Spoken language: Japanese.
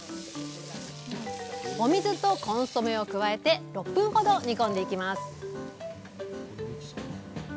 お水とコンソメを加えて６分ほど煮込んでいきます